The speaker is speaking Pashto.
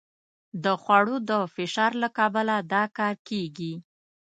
د خوړو د فشار له کبله دا کار کېږي.